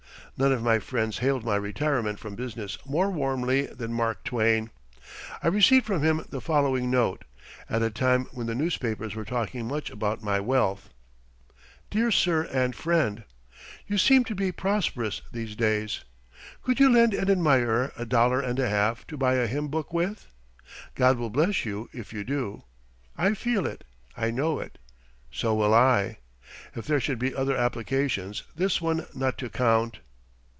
None of my friends hailed my retirement from business more warmly than Mark Twain. I received from him the following note, at a time when the newspapers were talking much about my wealth. DEAR SIR AND FRIEND: You seem to be prosperous these days. Could you lend an admirer a dollar and a half to buy a hymn book with? God will bless you if you do; I feel it, I know it. So will I. If there should be other applications this one not to count.